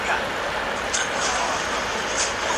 موږ بايد د پرمختيا او ودي توپير وپېژنو.